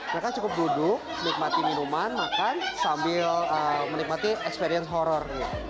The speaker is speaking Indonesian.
mereka cukup duduk nikmati minuman makan sambil menikmati experience horror